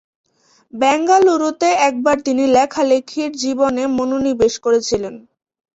বেঙ্গালুরুতে একবার তিনি লেখালেখির জীবনে মনোনিবেশ করেছিলেন।